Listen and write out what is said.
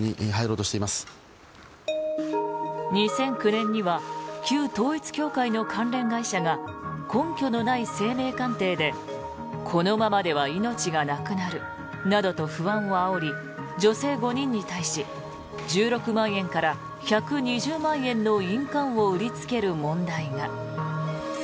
２００９年には旧統一教会の関連会社が根拠のない姓名鑑定でこのままでは命がなくなるなどと不安をあおり女性５人に対し１６万円から１２０万円の印鑑を売りつける問題が。